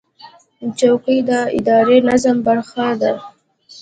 چوکۍ د اداري نظم برخه ده.